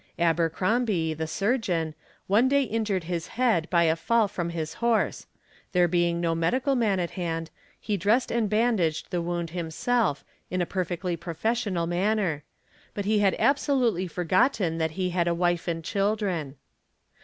Abercrombie, the surgeon, one day injured his head by a fall from his horse; there being no medical man at hand, he dressed and bandaged the wound himself, in a perfectly professional manner ; but he had absolutely forgotten that he had a wife and children.